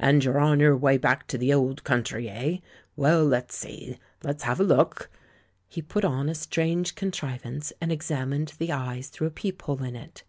And you're on your way back to the old country, eh ? Well, let's see, let's have a look." He put on a strange contriv ance and examined the eyes through a peephole in it. ..